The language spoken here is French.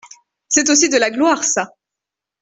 C'est aussi de la gloire, ça.